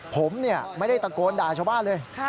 ผมไม่ได้ตะโกนด่าชาวบ้านเลย